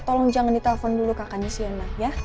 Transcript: tolong jangan ditelefon dulu kakaknya shena ya